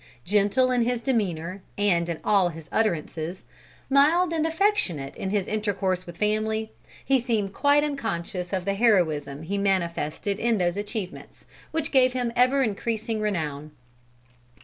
Gentle in his demeanor, and in all his utterances, mild and affectionate in his intercourse with his family, he seemed quite unconscious of the heroism he manifested in those achievements, which gave him ever increasing renown.